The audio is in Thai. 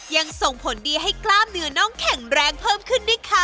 ยังส่งผลดีให้กล้ามเนื้อน้องแข็งแรงเพิ่มขึ้นด้วยค่ะ